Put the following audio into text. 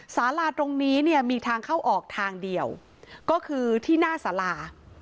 สาราตรงนี้เนี่ยมีทางเข้าออกทางเดียวก็คือที่หน้าสารา